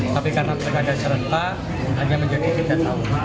tapi karena perkegagalan serentak hanya menjadi tiga tahun